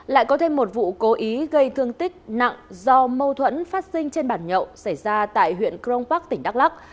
lại có thêm một vụ cố ý gây thương tích nặng do mâu thuẫn phát sinh trên bản nhậu xảy ra tại huyện crong park tỉnh đắk lắc